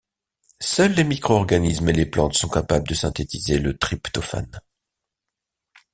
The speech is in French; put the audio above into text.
Seuls les micro-organismes et les plantes sont capables de synthétiser le tryptophane.